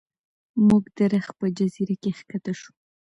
موږ د رخ په جزیره کې ښکته شو.